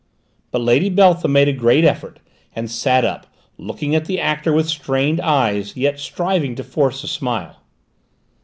But Lady Beltham made a great effort and sat up, looking at the actor with strained eyes, yet striving to force a smile.